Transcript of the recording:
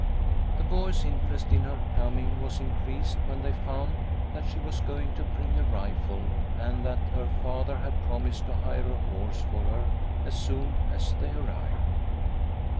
The boys' interest in her coming was increased when they found that she was going to bring a rifle, and that her father had promised to hire a horse for her as soon as they arrived.